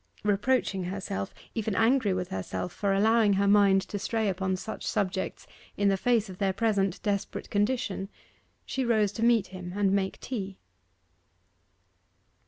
Reproaching herself, even angry with herself for allowing her mind to stray upon such subjects in the face of their present desperate condition, she rose to meet him, and make tea.